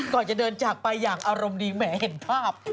ก่อนจะเดินจากไปอย่างอารมณ์ดีแหมเห็นภาพ